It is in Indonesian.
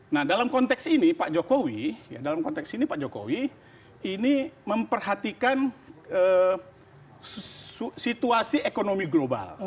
nah dalam konteks ini pak jokowi ini memperhatikan situasi ekonomi global